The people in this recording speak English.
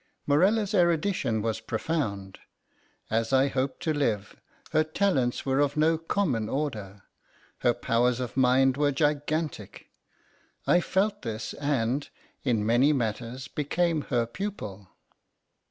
Morella's erudition was profound. As I hope to live, her talents were of no common order—her powers of mind were gigantic. I felt this, and, in many matters, became her pupil.